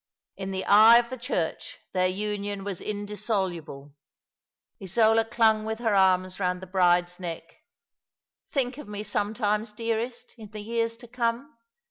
In the eye of the Church their union was indissoluble. Isola clung with her arms round the bride's neck. " Think of me sometimes, dearest, in the years to come.